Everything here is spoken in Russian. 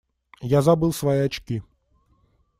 Я забыл свои очки.